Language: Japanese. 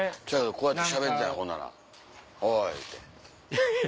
こうやってしゃべってたんやほんなら「おい」言うて。